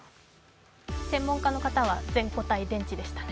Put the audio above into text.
専門家の方は全固体電池でしたね。